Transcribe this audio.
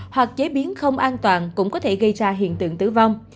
hoặc chế biến không an toàn cũng có thể gây ra hiện tượng tử vong